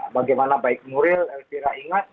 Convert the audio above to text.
bagaimana baik nuril elvira ingat